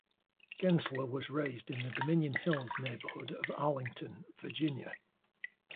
Gentzler was raised in the Dominion Hills neighborhood of Arlington, Virginia.